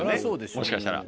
もしかしたら。